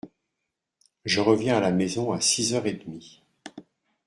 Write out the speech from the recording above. Je reviens à la maison à six heures et demi.